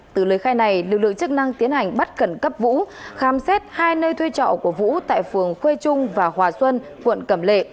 từ lời khai này lực lượng chức năng tiến hành bắt khẩn cấp vũ khám xét hai nơi thuê trọ của vũ tại phường khuê trung và hòa xuân quận cẩm lệ